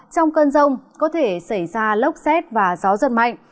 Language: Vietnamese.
trong cơn rông có thể xảy ra lốc xét và gió giật mạnh